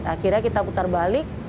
akhirnya kita putar balik